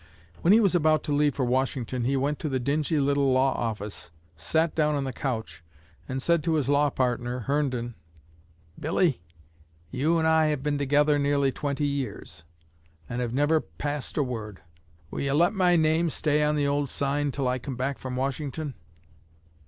When he was about to leave for Washington he went to the dingy little law office, sat down on the couch, and said to his law partner, Herndon, "Billy, you and I have been together nearly twenty years, and have never 'passed a word.' Will you let my name stay on the old sign till I come back from Washington?"